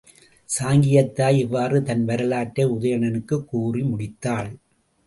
சாங்கியத் தாய் இவ்வாறு தன் வரலாற்றை உதயணனுக்குக் கூறி முடித்தாள்.